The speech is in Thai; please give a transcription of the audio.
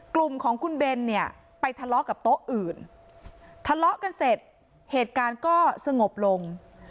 กลุ่มของคุณเบนเนี่ยไปทะเลาะกับโต๊ะอื่นทะเลาะกันเสร็จเหตุการณ์ก็สงบลง